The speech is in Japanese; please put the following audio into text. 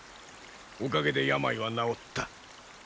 おかげで病は治った。